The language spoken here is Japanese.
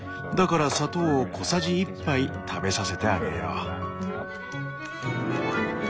だから砂糖を小さじ１杯食べさせてあげよう。